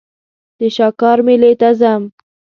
د شاکار مېلې ته ځم.